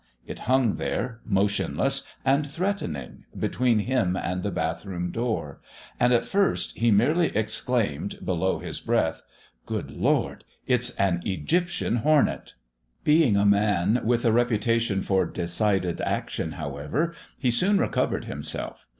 It hung there, motionless and threatening, between him and the bathroom door. And at first he merely exclaimed below his breath "Good God! It's an Egyptian hornet!" Being a man with a reputation for decided action, however, he soon recovered himself.